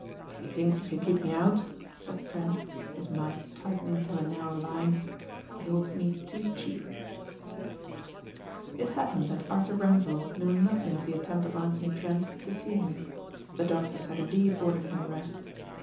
"If he thinks he can keep me out," said Trent his mouth tightening to a narrow line, "he holds me too cheap." It happened that Arthur Grenvil knew nothing of the attempt of Anthony Trent to see him. The doctors had indeed ordered him rest.